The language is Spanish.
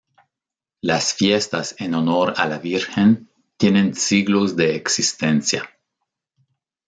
Las fiestas en honor a la Virgen tienen siglos de existencia.